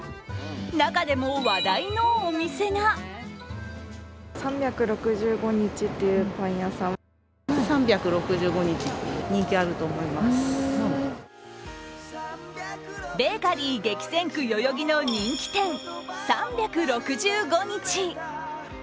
中でも話題のお店がベーカリー激戦区代々木の人気店、３６５日。